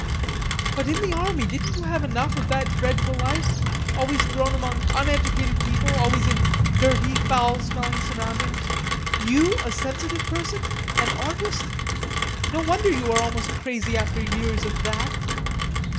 "But in the army didn't you have enough of that dreadful life, always thrown among uneducated people, always in dirty, foulsmelling surroundings, you, a sensitive person, an artist? No wonder you are almost crazy after years of that."